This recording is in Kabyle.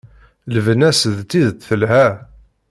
Lbenna-s d tidet telha!